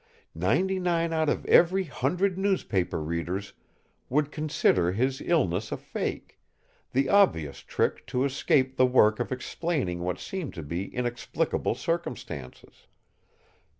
Ninety nine out of every hundred newspaper readers would consider his illness a fake, the obvious trick to escape the work of explaining what seemed to be inexplicable circumstances.